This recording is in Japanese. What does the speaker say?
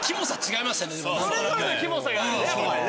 それぞれのキモさがあるやっぱりね。